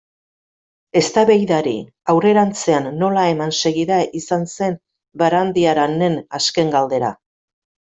Eztabaidari aurrerantzean nola eman segida izan zen Barandiaranen azken galdera.